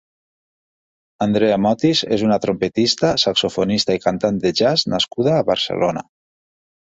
Andrea Motis és una trompetista, saxofonista i cantant de jazz nascuda a Barcelona.